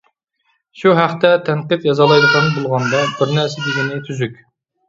شۇ ھەقتە تەنقىد يازالايدىغان بولغاندا بىر نەرسە دېگىنى تۈزۈك.